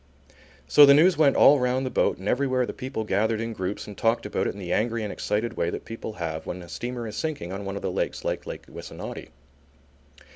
So the news went all round the boat and everywhere the people gathered in groups and talked about it in the angry and excited way that people have when a steamer is sinking on one of the lakes like Lake Wissanotti.